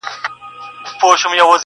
د میلوالو په نوم یوه ډله